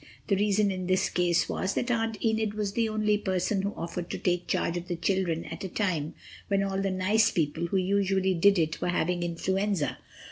The reason in this case was that Aunt Enid was the only person who offered to take charge of the children at a time when all the nice people who usually did it were having influenza.